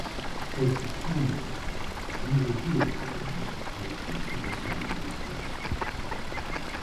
Both the primal and the dual problems make use of the same matrix.